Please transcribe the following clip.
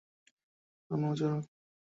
তিনি ছিলেন একজন ধর্মপ্রচারক ও সমাজ সংস্কারক।